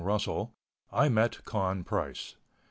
Russell, I met Con Price.